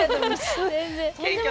全然。